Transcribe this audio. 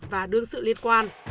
và đương sự liên quan